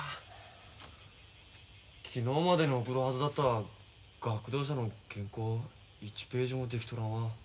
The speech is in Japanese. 昨日までに送るはずだった学童社の原稿１ページも出来とらんわ。